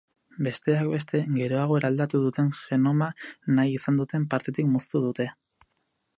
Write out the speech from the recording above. Besteak beste, geroago eraldatu duten genoma nahi izan duten partetik moztu dute.